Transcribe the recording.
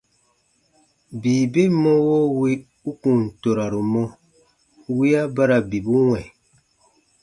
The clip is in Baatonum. Bii ben mɔwo wì u kùn toraru mɔ, wiya ba ra bibu wɛ̃.